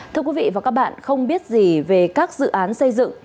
thưa quý vị và các bạn không biết gì về các dự án xây dựng